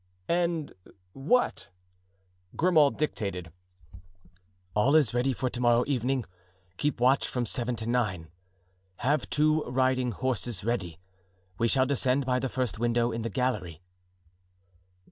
"And what?" Grimaud dictated. "All is ready for to morrow evening. Keep watch from seven to nine. Have two riding horses ready. We shall descend by the first window in the gallery."